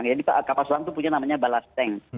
kapal selam itu punya namanya balas tank